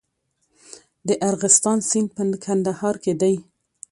د ارغستان سیند په کندهار کې دی